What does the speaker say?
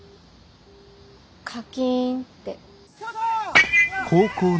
カキンって。